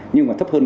nhưng mà thấp hơn